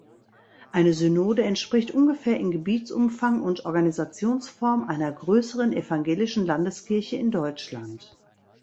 Eine Synode entspricht ungefähr in Gebietsumfang und Organisationsform einer größeren evangelischen Landeskirche in Deutschland.